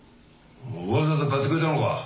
わざわざ買ってくれたのか。